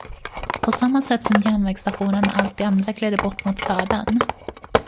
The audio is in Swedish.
På samma sätt som järnvägsstationen och allt det andra gled det bort mot södern.